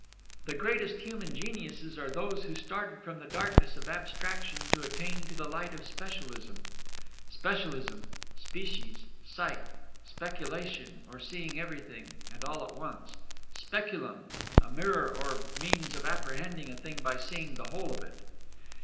The greatest human geniuses are those who started from the darkness of Abstraction to attain to the light of Specialism. (Specialism, species, sight; speculation, or seeing everything, and all at once; Speculum, a mirror or means of apprehending a thing by seeing the whole of it.)